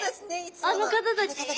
あの方たち？